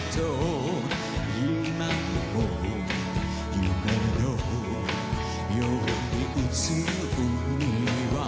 「今も夢のように映る海は」